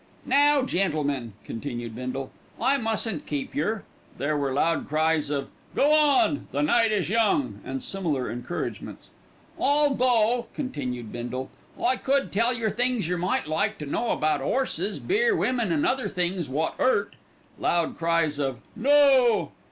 "Now, gentlemen," continued Bindle, "I mustn't keep yer." (There were loud cries of "Go on," "The night is young," and similar encouragements.) "Although," continued Bindle, "I could tell yer things yer might like to know about 'orses, beer, women, an' other things wot 'urt." (Loud cries of "No!")